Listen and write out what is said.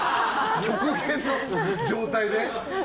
極限の状態で。